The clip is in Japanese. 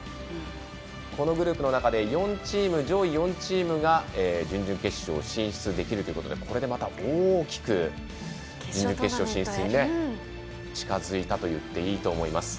このグループの中で上位４チームが準々決勝進出できるということでこれでまた大きく決勝進出へ近づいたといっていいと思います。